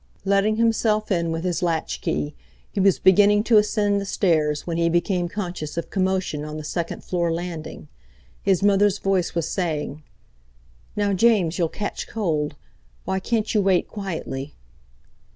Letting himself in with his latchkey, he was beginning to ascend he stairs when he became conscious of commotion on the second floor landing. His mother's voice was saying: "Now, James, you'll catch cold. Why can't you wait quietly?"